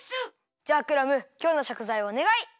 じゃあクラムきょうのしょくざいおねがい！